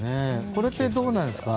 これってどうなんですか？